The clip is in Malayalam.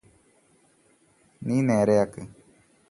ഇത് നേരെയാക്ക്